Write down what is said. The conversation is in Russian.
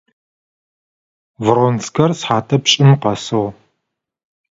В десять часов Вронский приехал.